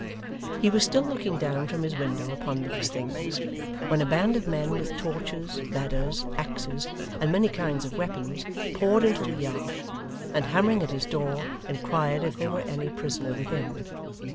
He was still looking down from his window upon these things, when a band of men with torches, ladders, axes, and many kinds of weapons, poured into the yard, and hammering at his door, inquired if there were any prisoner within.